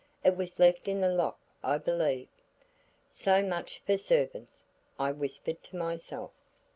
It was left in the lock I believe." "So much for servants," I whispered to myself.